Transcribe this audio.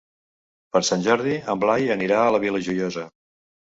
Per Sant Jordi en Blai anirà a la Vila Joiosa.